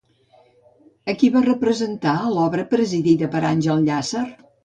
A qui va representar a l'obra presidida per Àngel Llàcer?